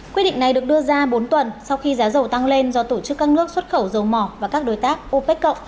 quyết định này được đưa ra bốn tuần sau khi giá dầu tăng lên do tổ chức các nước xuất khẩu dầu mỏ và các đối tác opec cộng